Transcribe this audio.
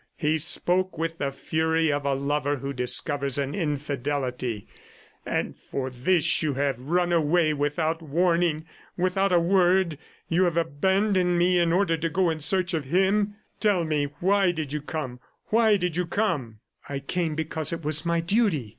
He spoke with the fury of a lover who discovers an infidelity. "And for this thing you have run away without warning, without a word! ... You have abandoned me in order to go in search of him. ... Tell me, why did you come? ... Why did you come?". .. "I came because it was my duty."